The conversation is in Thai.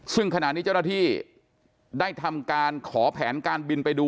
ซึ่งขณะนี้เจ้าหน้าที่ได้ทำการขอแผนการบินไปดู